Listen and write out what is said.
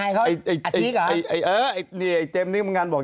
ไอ้เจมส์นี่บางงานบอก